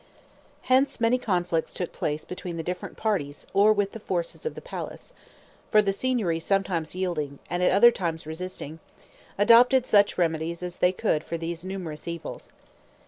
Hence many conflicts took place between the different parties or with the forces of the palace; for the Signory sometimes yielding, and at other times resisting, adopted such remedies as they could for these numerous evils.